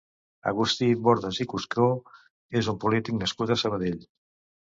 Agustí Bordas i Cuscó és un polític nascut a Sabadell.